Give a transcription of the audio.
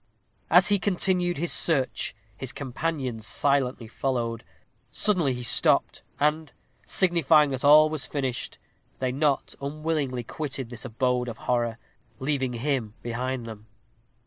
As he continued his search, his companions silently followed. Suddenly he stopped, and, signifying that all was finished, they not unwillingly quitted this abode of horror, leaving him behind them.